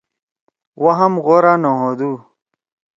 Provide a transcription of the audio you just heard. وہم غوار نہ ہودُو۔